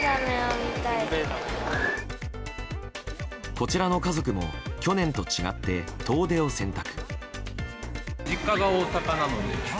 こちらの家族も去年と違って遠出を選択。